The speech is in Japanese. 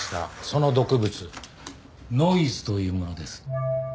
その毒物ノイズというものです。